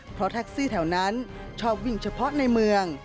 เพราะแท็กซี่แถวนั้นชอบวิ่งเฉพาะในเมือง